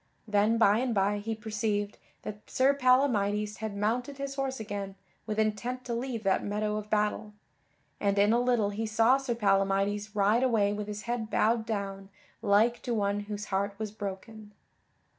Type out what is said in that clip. Then by and by he perceived that Sir Palamydes had mounted his horse again with intent to leave that meadow of battle, and in a little he saw Sir Palamydes ride away with his head bowed down like to one whose heart was broken.